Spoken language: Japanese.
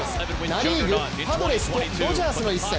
ナ・リーグ、パドレスとドジャースの一戦。